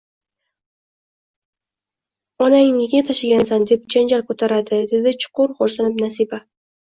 Onangnikiga tashigansan deb janjal ko`taradi, dedi chuqur xo`rsinib Nasiba